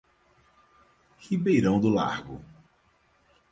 Ribeirão do Largo